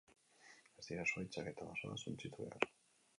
Ez dira zuhaitzak eta basoak suntsitu behar.